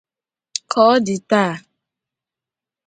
Ka Ọ Dị Taa